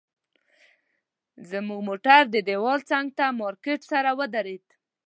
زموږ موټر د دیوال څنګ ته مارکیټ سره ودرېدل.